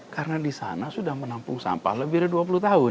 karena di sana sudah menampung sampah lebih dari dua puluh tahun